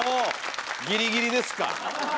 ギリギリですか。